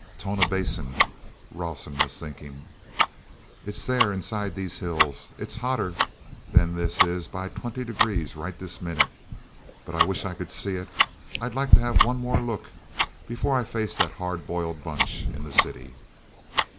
"Tonah Basin!" Rawson was thinking. "It's there inside these hills. It's hotter than this is by twenty degrees right this minute—but I wish I could see it. I'd like to have one more look before I face that hard boiled bunch in the city!"